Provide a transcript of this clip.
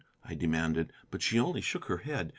I demanded. But she only shook her head.